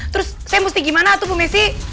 terus saya mesti gimana tuh bu messi